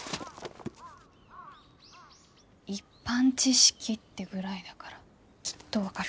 一般知識ってぐらいだからきっと分かる。